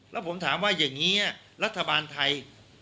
แล้วผมถามว่าอย่างนี้รัฐบาลไทย